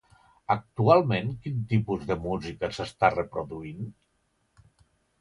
Actualment quin tipus de música s'està reproduint?